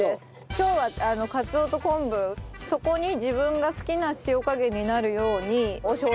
今日はカツオと昆布そこに自分が好きな塩加減になるようにおしょう油。